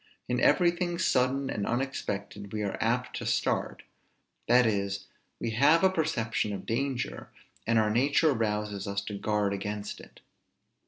In everything sudden and unexpected, we are apt to start; that is, we have a perception of danger, and our nature rouses us to guard against it.